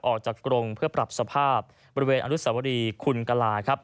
กรงเพื่อปรับสภาพบริเวณอนุสวรีคุณกลาครับ